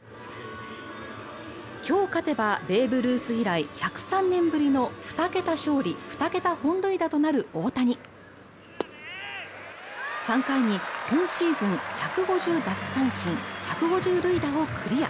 今日勝てばベーブ・ルース以来１０３年ぶりの２桁勝利２桁本塁打となる大谷３回に今シーズン１５０奪三振１５０塁打をクリア